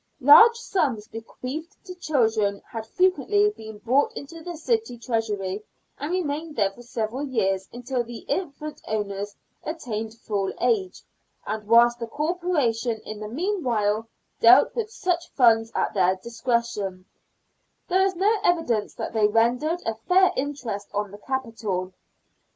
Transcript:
Large sums bequeathed to children had frequently been brought into the city treasury, and remained there for several years until the infant owners attained full age, and whilst the Corporation in the meanwhile dealt with such funds at their discretion, there is no evidence that they rendered a fair interest on the capital.